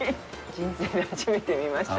人生で初めて見ました。